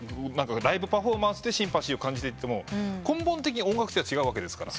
ライブパフォーマンスでシンパシーを感じていても根本的に音楽性は違うわけですから。